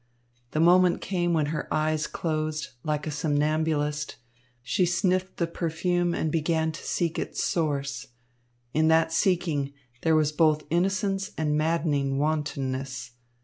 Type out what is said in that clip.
The moment came when with her eyes closed, like a somnambulist, she sniffed the perfume and began to seek its source. In that seeking, there was both innocence and maddening wantonness.